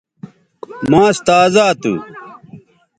ماس تازا تھو